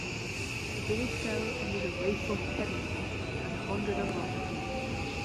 The village fell under the Rape of Pevensey and the hundred of Rotherfield.